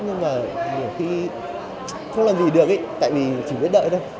nhưng mà nhiều khi không làm gì được ý tại vì chỉ biết đợi thôi